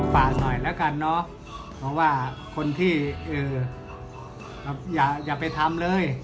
ฝากหน่อยแล้วกันเนาะเพราะว่าคนที่เออแบบอย่าอย่าไปทำเลย